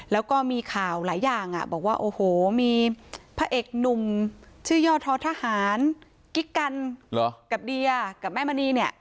แล้วก็มีข่าวหลายอย่างบอกว่าโอ้โหมีพระเอกหนุ่มชื่อย่อท้อทหารกิ๊กกันกับเดียกับแม่มณีเนี่ย